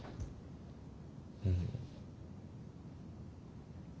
うん。